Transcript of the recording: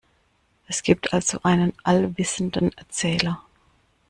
Es gibt also einen allwissenden Erzähler.